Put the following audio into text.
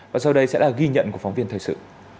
và sau đây sẽ là ghi nhận của phóng viên thời sự